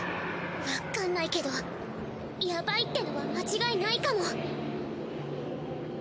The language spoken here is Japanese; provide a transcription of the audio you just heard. わっかんないけどヤバいってのは間違いないかも。